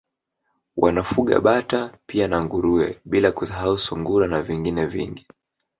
Wanafuga Bata pia na Nguruwe bila kusahau Sungura na vingine vingi